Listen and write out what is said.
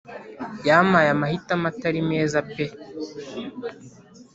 Yamaye amahitamo Atari meza pe